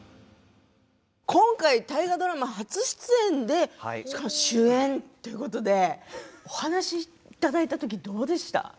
今回、大河ドラマ初出演でしかも主演ということでお話いただいたときどうでした？